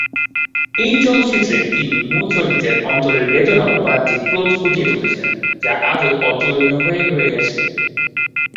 এই চলচ্চিত্রে তিনি মূল চরিত্রের অন্তরের বেদনা ও বাহ্যিক ক্রোধ ফুটিয়ে তুলেছেন যা আজও অতুলনীয় হয়ে রয়ে গেছে।